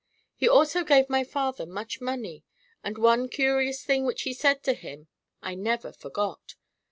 He also gave my father much money, and one curious thing which he said to him I never forgot.